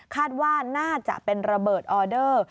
คาดว่าน่าจะเป็นระเบิดออเดอร์